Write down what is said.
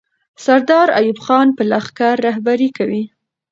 سردار ایوب خان به لښکر رهبري کوي.